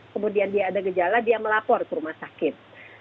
kemudian dia ada gejala dia melapor ke rumah sakit